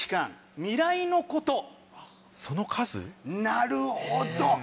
なるほど！